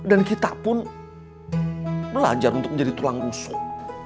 dan kita pun belajar untuk menjadi tulang rusuk